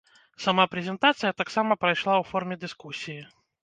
Сама прэзентацыя таксама прайшла ў форме дыскусіі.